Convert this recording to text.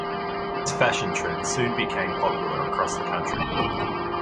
This fashion trend soon became popular across the country.